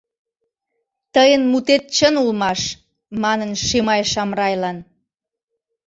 — Тыйын мутет чын улмаш, — манын Шимай Шамрайлан.